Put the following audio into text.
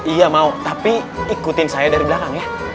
iya mau tapi ikutin saya dari belakang ya